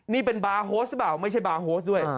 นี่เป็นบาร์โฮสหรือเปล่าไม่ใช่บาร์โฮสด้วย